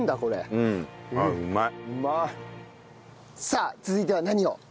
さあ続いては何を？